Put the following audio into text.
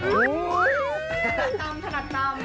ทรัศนาตำ